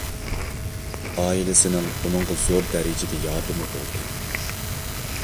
ئائىلىسىنىڭ ئۇنىڭغا زور دەرىجىدە ياردىمى بولدى.